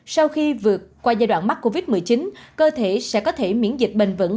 sau khi vượt qua giai đoạn mắc covid một mươi chín cơ thể sẽ có thể miễn dịch bền vững